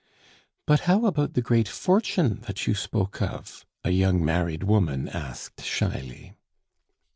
"But how about the great fortune that you spoke of?" a young married woman asked shyly.